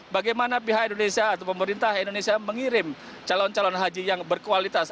bagaimana pihak indonesia atau pemerintah indonesia mengirim calon calon haji yang berkualitas